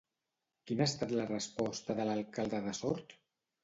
Quina ha estat la resposta de l'alcalde de Sort?